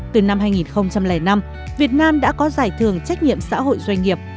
từ năm hai nghìn năm việt nam đã có giải thưởng trách nhiệm xã hội doanh nghiệp